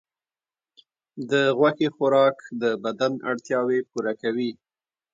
د غوښې خوراک د بدن اړتیاوې پوره کوي.